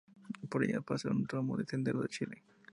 Por ella pasa un tramo del Sendero de Chile.